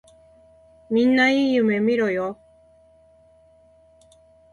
みんないい夢みろよ。